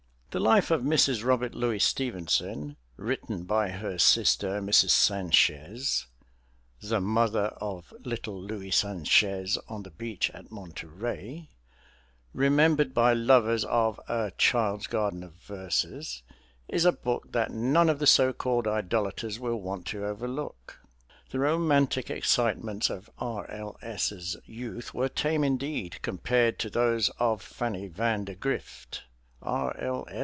"The Life of Mrs. Robert Louis Stevenson," written by her sister Mrs. Sanchez (the mother of "little Louis Sanchez on the beach at Monterey" remembered by lovers of "A Child's Garden of Verses") is a book that none of the so called idolaters will want to overlook. The romantic excitements of R. L. S.'s youth were tame indeed compared to those of Fanny Van de Grift. R. L.